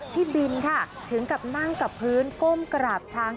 พี่บินค่ะถึงกับนั่งกับพื้นก้มกราบช้าง